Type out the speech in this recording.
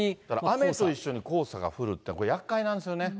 雨と一緒に黄砂が降るって、やっかいなんですよね。